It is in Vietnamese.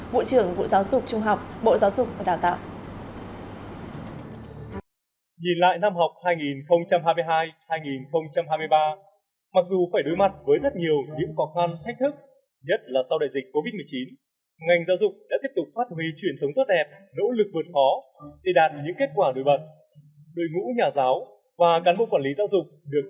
vụ trưởng vụ giáo dục trung học bộ giáo dục và đào tạo